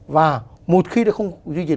và một khi nó không duy trì được